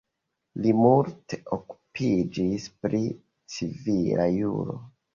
Li multe okupiĝis pri civila juro.